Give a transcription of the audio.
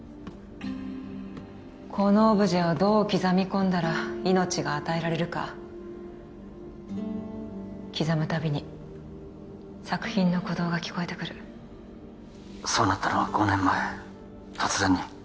このオブジェをどう刻み込んだら命が与えられるか刻むたびに作品の鼓動が聞こえてくるそうなったのは５年前突然に？